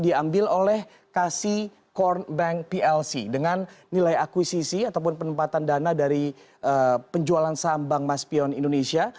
diambil oleh kasi core bank plc dengan nilai akuisisi ataupun penempatan dana dari penjualan saham bank maspion indonesia